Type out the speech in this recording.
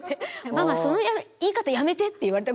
「ママその言い方やめて」って言われた事が。